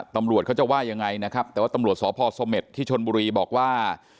ตำรวจเขาจะว่ายังไงนะครับแต่ว่าตำรวจสพสเมษที่ชนบุรีบอกว่า